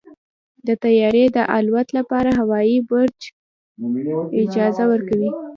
د طیارې د الوت لپاره هوايي برج اجازه ورکوي.